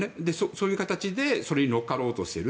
そういう形でそれに乗っかろうとしている。